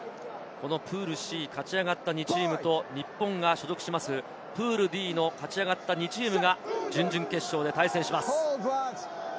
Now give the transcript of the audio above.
プールＣを勝ち上がった２チームと日本が所属するプールＤの勝ち上がった２チームが準々決勝で対戦します。